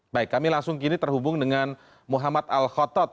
baik kami langsung kini terhubung dengan muhammad al khotot